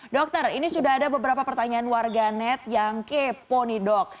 dokter ini sudah ada beberapa pertanyaan warganet yang kepo nih dok